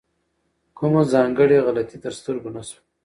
کومه ځانګړې غلطي تر سترګو نه شوه.